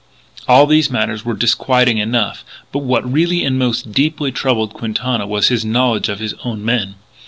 All these matters were disquieting enough: but what really and most deeply troubled Quintana was his knowledge of his own men.